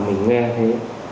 mình nghe thế